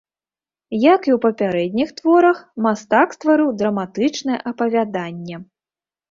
Як і ў папярэдніх творах, мастак стварыў драматычнае апавяданне.